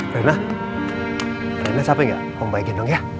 reina reina siapain nggak om baikin dong ya